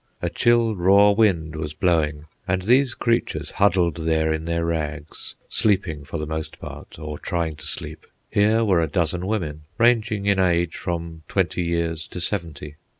A chill, raw wind was blowing, and these creatures huddled there in their rags, sleeping for the most part, or trying to sleep. Here were a dozen women, ranging in age from twenty years to seventy.